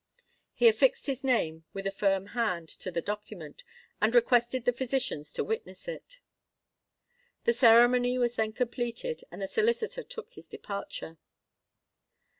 He affixed his name with a firm hand to the document, and requested the physicians to witness it. The ceremony was then completed; and the solicitor took his departure.